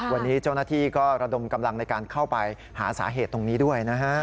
วันนี้เจ้าหน้าที่ก็ระดมกำลังในการเข้าไปหาสาเหตุตรงนี้ด้วยนะฮะ